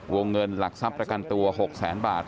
วงเงินหลักทรัพย์ประกันตัว๖แสนบาท